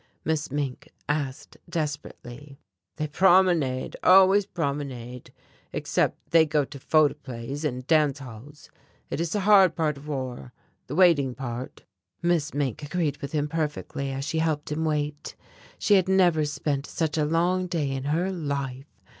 Miss Mink asked desperately. "They promenade. Always promenade. Except they go to photo plays, and dance hall. It is the hard part of war, the waiting part." Miss Mink agreed with him perfectly as she helped him wait. She had never spent such a long day in her life.